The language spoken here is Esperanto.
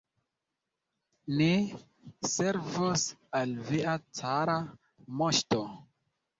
Ni servos al via cara moŝto!